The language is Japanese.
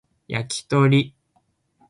焼き鳥